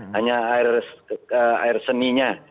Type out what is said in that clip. hanya air seninya